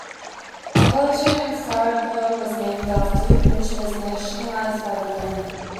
A college in Faridpur was named after him, which was nationalised by the Government.